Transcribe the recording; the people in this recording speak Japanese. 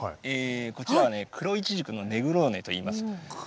こちらは黒いちじくのネグローネといいます。